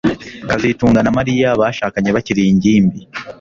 kazitunga na Mariya bashakanye bakiri ingimbi